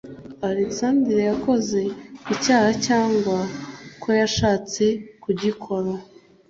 Aleksandr yakoze icyaha cyangwa ko yashatse kugikora